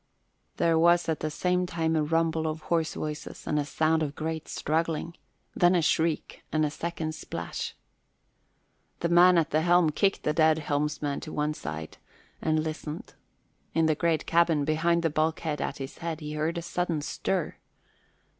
There was at the same time a rumble of hoarse voices and a sound of great struggling, then a shriek and a second splash. The man at the helm kicked the dead helmsman to one side and listened. In the great cabin, behind the bulkhead at his back, he heard a sudden stir.